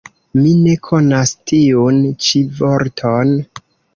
Mi ne konas tiun ĉi vorton.